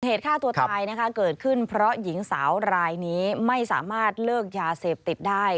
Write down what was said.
เหตุฆ่าตัวตายนะคะเกิดขึ้นเพราะหญิงสาวรายนี้ไม่สามารถเลิกยาเสพติดได้